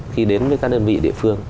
khi đến với các đơn vị địa phương